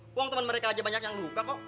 kuang temen mereka aja banyak yang luka kok